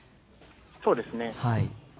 そうですね。